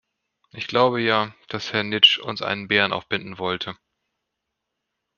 Ich glaube ja, dass Herr Nitzsch uns einen Bären aufbinden wollte.